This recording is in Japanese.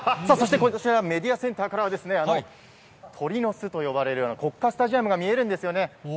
さあそして、こちらメディアセンターからは、鳥の巣と呼ばれる国家スタジアムが見えるんですよね。